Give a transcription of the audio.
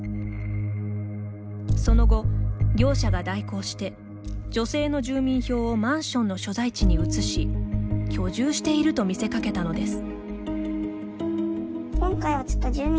その後、業者が代行して女性の住民票をマンションの所在地に移し居住していると見せかけたのです。